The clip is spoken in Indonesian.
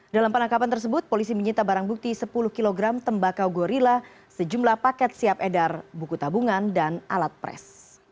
dalam penangkapan tersebut polisi menyita barang bukti sepuluh kg tembakau gorilla sejumlah paket siap edar buku tabungan dan alat pres